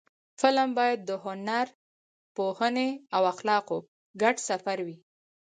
فلم باید د هنر، پوهنې او اخلاقو ګډ سفر وي